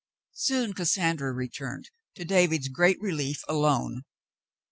Soon Cassandra returned, to David's great relief, alone.